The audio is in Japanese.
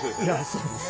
そうです。